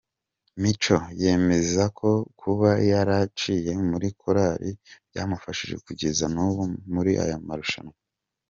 Mico yemeza ko kuba yaraciye muri korari byamufashije kugeza n’ubu muri aya marushanwa.